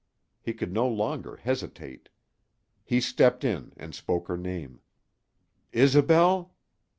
He could no longer hesitate. He stepped in and spoke her name. "Isobel!"